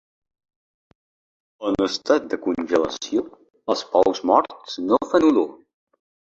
En estat de congelació, els pous morts no fan olor.